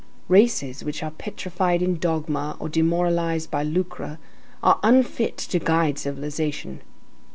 Races which are petrified in dogma or demoralized by lucre are unfit to guide civilization.